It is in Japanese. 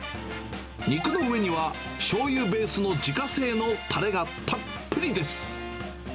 肉の上には、しょうゆベースの自家製のたれがたっぷりです。